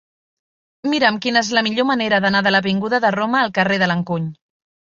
Mira'm quina és la millor manera d'anar de l'avinguda de Roma al carrer de l'Encuny.